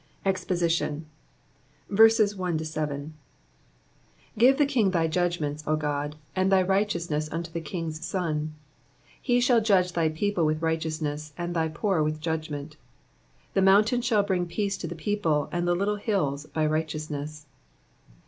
EXPOSITION. GIVE the king thy judgments, O God, and thy righteousness unto the king's son. 2 He shall judge thy people with righteousness, and thy poor with judgment. 3 The mountains shall bring peace to the people, and the little hills, by righteousness.